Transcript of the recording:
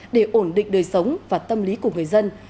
để ổn định đời sống và tâm lý của người dân